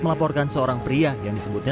melaporkan seorang pria yang disebutnya